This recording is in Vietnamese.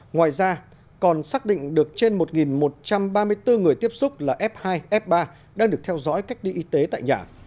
ngoài ra còn xác định được trên một một trăm ba mươi bốn người tiếp xúc là f hai f ba đang được theo dõi cách ly y tế tại nhà